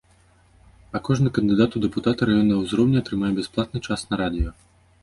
А кожны кандыдат у дэпутаты раённага ўзроўня атрымае бясплатны час на радыё.